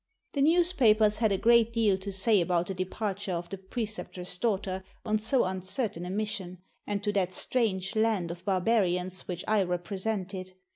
The newspapers had a great deal to say about the departure of the Preceptress' daughter on so uncertain a mission, and to that strange land of barbarians which I represented.